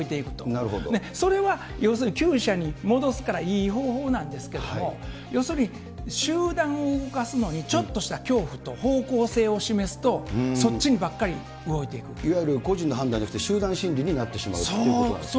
それは要するに、きゅう舎に戻すからいい方法なんですけれども、要するに、集団を動かすのに、ちょっとした恐怖と方向性を示すと、そっちにばっかいわゆる個人の判断じゃなくて、集団心理になってしまうということなんですね。